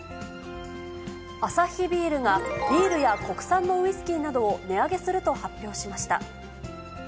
アサヒビールが、ビールや国産のウイスキーなどを値上げすると発表しました。